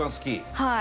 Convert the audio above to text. はい。